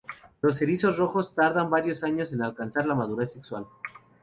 Los erizos rojos tardan varios años en alcanzar la madurez sexual.